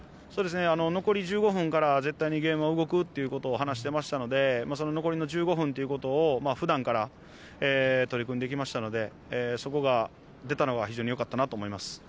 ◆残り１５分から絶対にゲームは動くということを話してましたのでその残りの１５分ということをふだんから取り組んできましたので、そこが出たのが非常によかったなと思います。